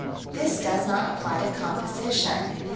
This does not apply to composition.